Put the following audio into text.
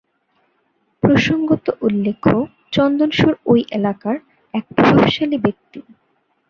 প্রসঙ্গত উল্লেখ্য, চন্দন সুর ঐ এলাকার এক প্রভাবশালী ব্যক্তি।